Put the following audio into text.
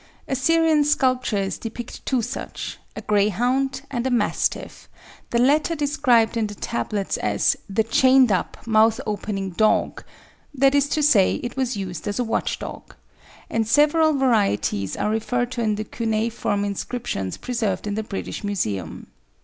Assyrian sculptures depict two such, a Greyhound and a Mastiff, the latter described in the tablets as "the chained up, mouth opening dog"; that is to say, it was used as a watch dog; and several varieties are referred to in the cuneiform inscriptions preserved in the British Museum.